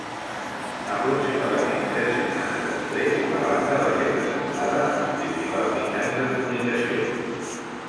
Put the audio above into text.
Aproximadament tres setmanes després, la banda va ser presentada als principals mitjans de comunicació.